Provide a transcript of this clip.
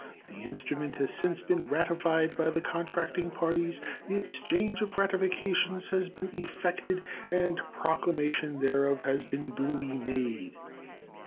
The instrument has since been ratified by the contracting parties, the exchange of ratifications has been effected, and proclamation thereof has been duly made.